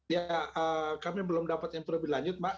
ya kami belum dapat info lebih lanjut mbak